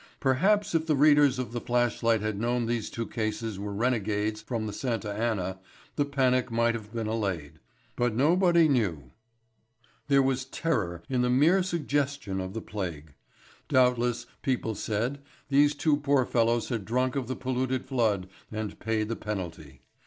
Perhaps if the readers of the Flashlight had known these two cases were renegades from the Santa Anna, the panic might have been allayed. But nobody knew. There was terror in the mere suggestion of the plague. Doubtless, people said, these two poor fellows had drunk of the polluted flood and paid the penalty.